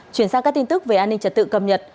chuyển sang các tin tức về an ninh trật tự cập nhật